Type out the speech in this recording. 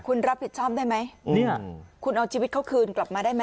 คุณรับผิดชอบได้ไหมเนี่ยคุณเอาชีวิตเขาคืนกลับมาได้ไหม